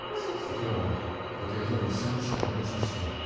僕らは予定どおり「サニーサイド」を演奏するんや。